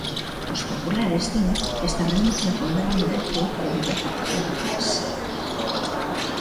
Os populares din que esta renuncia afondará no bloqueo que vive a capital lucense.